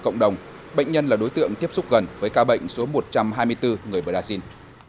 cộng đồng bệnh nhân là đối tượng tiếp xúc gần với ca bệnh số một trăm hai mươi bốn người brazil